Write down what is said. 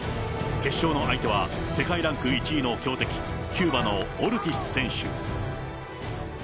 決勝の相手は、世界ランク１位の強敵、キューバのオルティス選手。